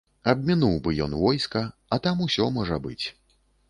Абмінуў бы ён войска, а там усё можа быць.